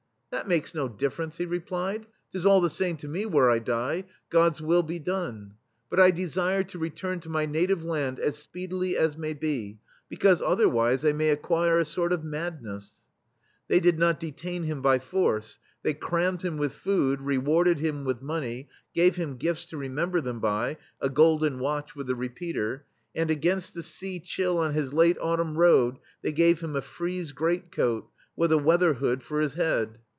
* "That makes no difference/' he re plied; "*tis all the same to me where I die ; God's will be done. But I desire to return to my native land as speedily as may be, because otherwise I may acquire a sort of madness/' They did not detain him by force; they crammed him with food, rewarded him with money, gave him gifts to remember them by — a golden watch with a repeater ^f — and against the sea chill on his late autumn road they gave him a frieze great coat, with a weather hood for his head.